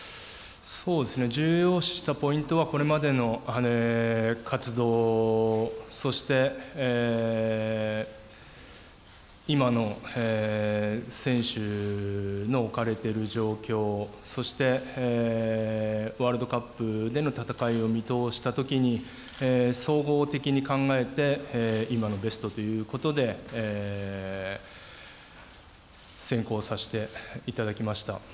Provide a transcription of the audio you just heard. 重要視したポイントは、これまでの活動、そして今の選手の置かれている状況、そして、ワールドカップでの戦いを見通したときに、総合的に考えて今のベストということで、選考させていただきました。